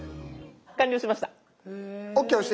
完了しました。